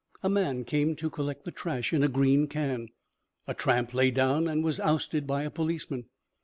A man came to collect the trash in a green can. A tramp lay down and was ousted by a policeman.